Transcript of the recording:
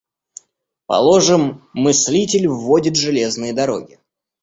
Положим, мыслитель вводит железные дороги.